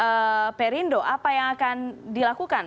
dan perindo apa yang akan dilakukan